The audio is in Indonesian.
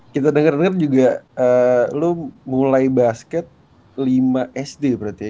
kita denger denger juga eee lu mulai basket lima sd berarti ya